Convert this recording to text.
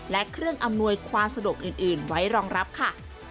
และเครื่องอำนวยความสะดวกอื่นไว้รองรับค่ะ